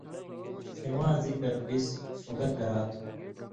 سِواں ذکِر بِس ݜُون٘دہ کرا تھو۔